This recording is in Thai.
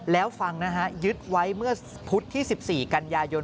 แล้วฟังนะฮะยึดไว้เมื่อพุธที่๑๔กันยายน